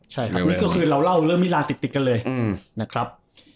ใช่ครับก็คือเราเล่าเรื่องมิราติดกันเลยนะครับ